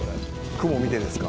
「雲見てですか？」